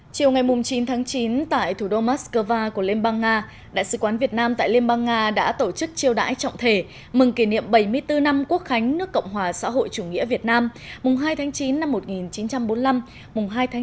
chiều ngày chín tháng chín tại thủ đô moscow của liên bang nga đại sứ quán việt nam tại liên bang nga đã tổ chức chiêu đãi trọng thể mừng kỷ niệm bảy mươi bốn năm quốc khánh nước cộng hòa xã hội chủ nghĩa việt nam mùng hai tháng chín năm một nghìn chín trăm bốn mươi năm mùng hai tháng chín